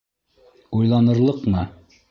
Уйланырлыҡмы?